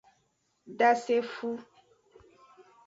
Dasefo.